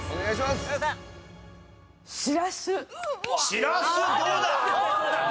しらすどうだ？